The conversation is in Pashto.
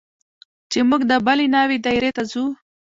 چې موږ د بلې ناوې دايرې ته ځو.